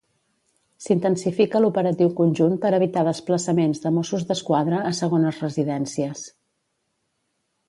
S'intensifica l'operatiu conjunt per evitar desplaçaments de Mossos d'Esquadra a segones residències.